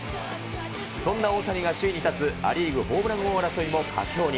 そんな大谷が首位に立つア・リーグホームラン王争いも佳境に。